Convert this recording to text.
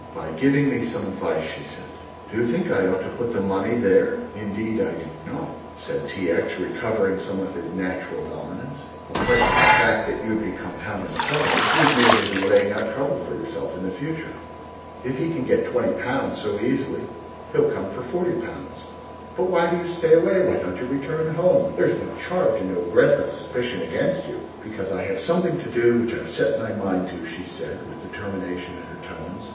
"By giving me some advice," she said; "do you think I ought to put the money there!" "Indeed I do not," said T. X., recovering some of his natural dominance; "apart from the fact that you would be compounding a felony, you would merely be laying out trouble for yourself in the future. If he can get 20 pounds so easily, he will come for 40 pounds. But why do you stay away, why don't you return home? There's no charge and no breath of suspicion against you." "Because I have something to do which I have set my mind to," she said, with determination in her tones.